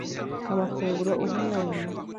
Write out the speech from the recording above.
amafunguro uha umwana muto